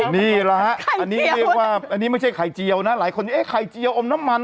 นี่แหละฮะอันนี้เรียกว่าอันนี้ไม่ใช่ไข่เจียวนะหลายคนเอ๊ะไข่เจียวอมน้ำมัน